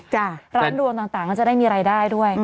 เราก็ชื่นใจร้านรวมต่างก็จะได้มีรายได้ด้วย